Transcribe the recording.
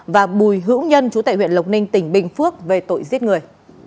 và bùi hữu nhân chú tại huyện lộc ninh tỉnh bình phước về tội giết người